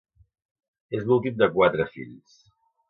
És l'últim de quatre fills.